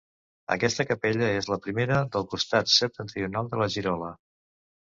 Aquesta capella és la primera del costat septentrional de la girola.